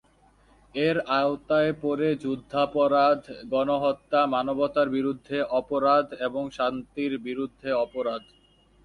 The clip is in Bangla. এর আওতায় পড়ে যুদ্ধাপরাধ, গণহত্যা, মানবতার বিরুদ্ধে অপরাধ এবং শান্তির বিরুদ্ধে অপরাধ।